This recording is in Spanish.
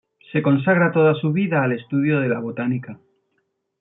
Se consagra toda su vida al estudio de la botánica.